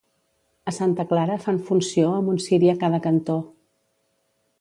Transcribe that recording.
A Santa Clara fan funció amb un ciri a cada cantó.